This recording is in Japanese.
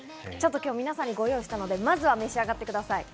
皆さんにご用意したので、まずは召し上がってください。